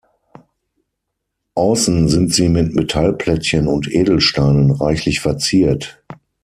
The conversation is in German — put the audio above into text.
Außen sind sie mit Metallplättchen und Edelsteinen reichlich verziert.